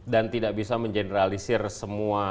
dan tidak bisa mengeneralisir semua